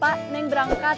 pak meneng berangkat